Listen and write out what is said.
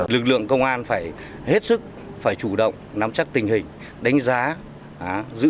lực lượng công an phải hết sức phải chủ động nắm chắc tình hình đánh giá giữ